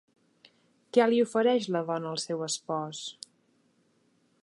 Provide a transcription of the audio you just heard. Què li ofereix la dona al seu espòs?